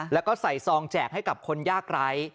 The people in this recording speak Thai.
แล้วก็ใส่ซองแจกให้กับคนยากไร้